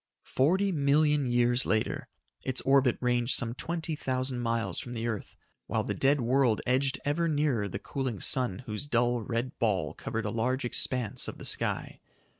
Forty million years later, its orbit ranged some twenty thousand miles from the earth while the dead world edged ever nearer the cooling sun whose dull, red ball covered a large expanse of the sky.